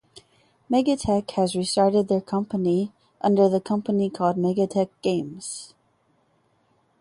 Megatech has restarted their company under the company called Megatech Games.